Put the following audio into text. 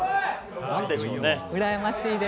なんでしょうね。